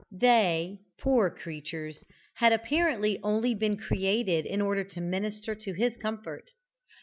They, poor creatures, had apparently only been created in order to minister to his comfort.